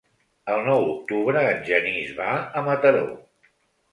El nou d'octubre en Genís va a Mataró.